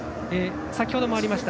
先ほどもありました